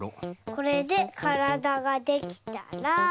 これでからだができたら。